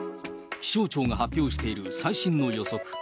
気象庁が発表している最新の予測。